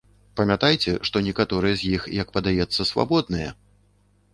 Памятайце, што некаторыя з іх, як падаецца, свабодныя!